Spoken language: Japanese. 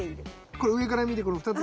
これ上から見てこの２つ。